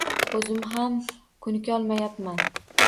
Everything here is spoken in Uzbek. O`zim ham ko`nikolmayapman